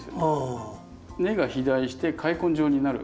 根が肥大して塊根状になる。